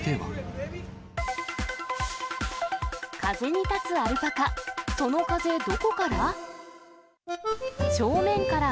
風に立つアルパカ、その風どこから？